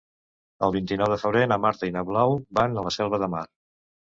El vint-i-nou de febrer na Marta i na Blau van a la Selva de Mar.